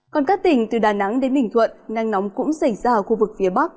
còn các tỉnh từ đà nẵng đến bình thuận nắng nóng cũng xảy ra ở khu vực phía bắc